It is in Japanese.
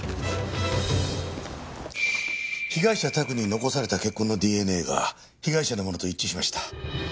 被害者宅に残された血痕のＤＮＡが被害者のものと一致しました。